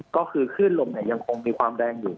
ก็คือคลื่นลมยังคงมีความแรงอยู่